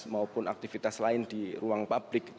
maupun aktivitas lain di ruang publik